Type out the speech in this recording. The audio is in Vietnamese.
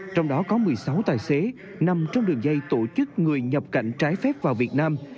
trong đó có một mươi sáu tài xế nằm trong đường dây tổ chức người nhập cảnh trái phép vào việt nam